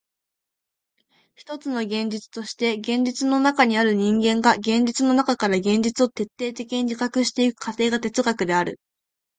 ひとつの現実として現実の中にある人間が現実の中から現実を徹底的に自覚してゆく過程が哲学である。